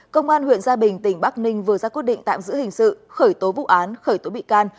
công an huyện gia bình tỉnh bắc ninh vừa ra quyết định tạm giữ hình sự khởi tố vụ án khởi tố bị can